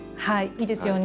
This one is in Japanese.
いいですよね。